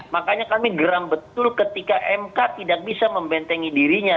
makanya kami geram betul ketika mk tidak bisa membentengi dirinya